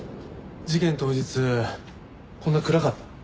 事件当日こんな暗かった？